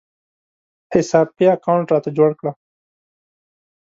حساب پې اکاونټ راته جوړ کړه